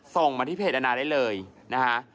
ส่งมาที่เพจอนาได้เลยนะคะ